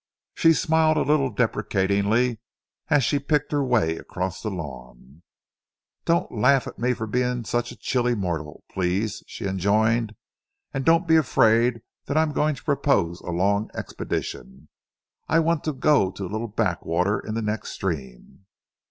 She smiled a little deprecatingly as she picked her way across the lawn. "Don't laugh at me for being such a chilly mortal, please," she enjoined. "And don't be afraid that I am going to propose a long expedition. I want to go to a little backwater in the next stream."